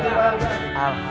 pake itu kemusola